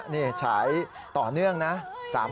นี่ฉายต่อเนื่องนะ